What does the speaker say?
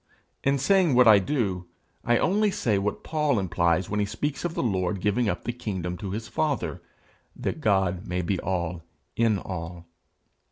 In saying what I do, I only say what Paul implies when he speaks of the Lord giving up the kingdom to his father, that God may be all in all.